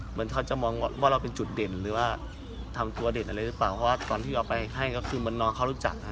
เหมือนเขาจะมองว่าเราเป็นจุดเด่นหรือว่าทำตัวเด่นอะไรหรือเปล่าเพราะว่าตอนที่เอาไปให้ก็คือเหมือนน้องเขารู้จัก